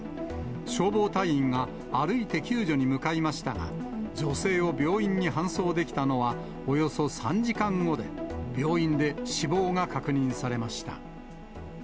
消防隊員が歩いて救助に向かいましたが、女性を病院に搬送できたのはおよそ３時間後で、病院で死亡が確認されました。